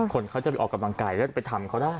คนเขาจะไปออกกำลังกายแล้วจะไปทำเขาได้